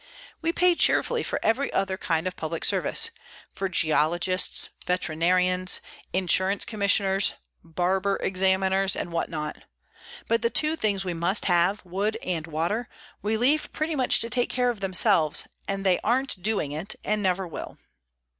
We pay cheerfully for every other kind of public service, for geologists, veterinarians, insurance commissioners, barber examiners, and what not. But the two things we must have wood and water we leave pretty much to take care of themselves, and they aren't doing it and never will.